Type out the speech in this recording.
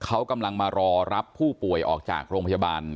เขากำลังมารอรับผู้ป่วยออกจากโรงพยาบาล